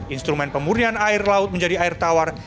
instrumen pemurnian air laut menjadi air tawar